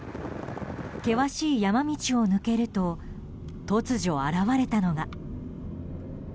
険しい山道を抜けると突如現れたのが。